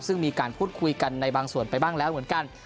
ซึ่งมีการพูดคุยกันในบางส่วนไปบ้างแล้วเหมือนกัน